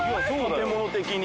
建物的に。